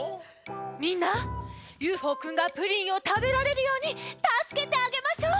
みんなＵＦＯくんがプリンをたべられるようにたすけてあげましょう。